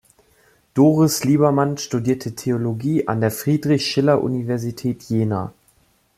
Doris Liebermann studierte Theologie an der Friedrich-Schiller-Universität Jena.